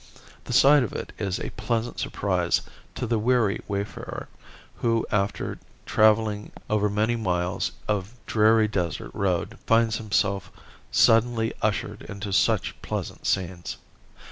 The sight of it is a pleasant surprise to the weary wayfarer who, after traveling over many miles of dreary desert road, finds himself suddenly ushered into such pleasant scenes.